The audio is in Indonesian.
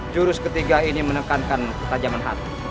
jurus ketiga ini menekankan ketajaman hati